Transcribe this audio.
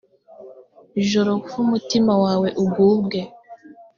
joro f umutima wawe ugubwe